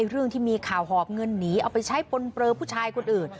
เรื่องที่มีข่าวหอบเงินหนีเอาไปใช้ปนเปลือผู้ชายคนอื่น